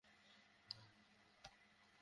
Right, - right.